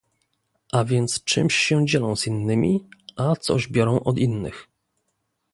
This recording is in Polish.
A więc czymś się dzielą z innymi, a coś biorą od innych